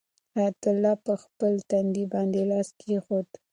حیات الله په خپل تندي باندې لاس کېښود.